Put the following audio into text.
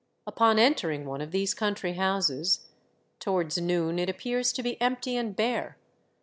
Upon entering one of these country houses, towards noon, it appears to be empty and bare.